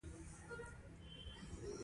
ما ویل قانع ګله بچو اوس یې نو ګزوه.